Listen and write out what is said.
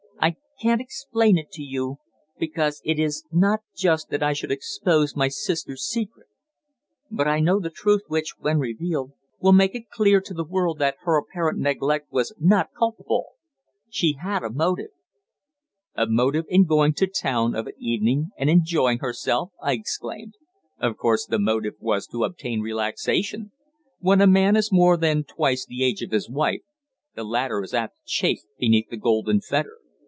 "I can't explain to you, because it is not just that I should expose my sister's secret. But I know the truth which, when revealed, will make it clear to the world that her apparent neglect was not culpable. She had a motive." "A motive in going to town of an evening and enjoying herself!" I exclaimed. "Of course, the motive was to obtain relaxation. When a man is more than twice the age of his wife, the latter is apt to chafe beneath the golden fetter.